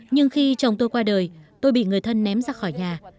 nhưng khi chồng tôi qua đời tôi bị người thân ném ra khỏi nhà